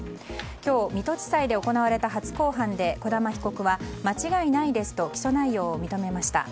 今日、水戸地裁で行われた初公判で児玉被告は間違いないですと起訴内容を認めました。